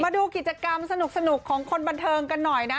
ดูกิจกรรมสนุกของคนบันเทิงกันหน่อยนะ